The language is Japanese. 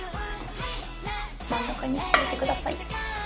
真ん中に置いてください。